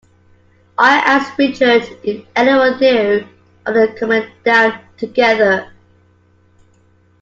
I asked Richard if any one knew of their coming down together.